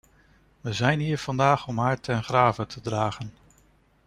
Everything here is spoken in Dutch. We zijn hier vandaag om haar ten grave te dragen.